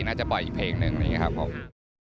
และก็จะปล่อยไปอีกเพลงหนึ่ง